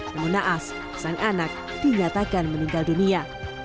namun naas sang anak dinyatakan meninggal dunia